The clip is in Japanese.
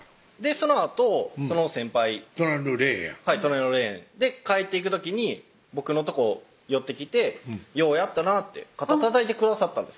そのあとその先輩隣のレーンやはい隣のレーン帰っていく時に僕のとこ寄ってきて「ようやったな」って肩たたいてくださったんです